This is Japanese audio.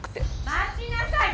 待ちなさい！